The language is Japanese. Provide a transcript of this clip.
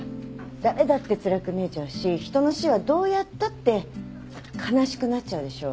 誰だってつらく見えちゃうし人の死はどうやったって悲しくなっちゃうでしょ。